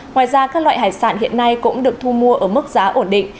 ngoài ra các loại hải sản hiện nay cũng được thu mua ở mức giá ổn định